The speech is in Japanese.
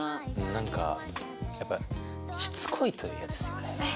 なんかやっぱしつこいとイヤですよね。